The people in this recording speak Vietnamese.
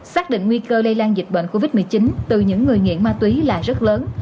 xác định nguy cơ lây lan dịch bệnh covid một mươi chín từ những người nghiện ma túy là rất lớn